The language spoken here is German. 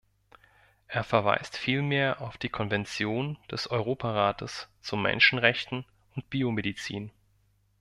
Er verweist vielmehr auf die Konvention des Europarates zu Menschenrechten und Biomedizin.